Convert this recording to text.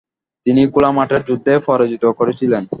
তিনি খোলা মাঠের যুদ্ধে পরাজিত করেছিলেন।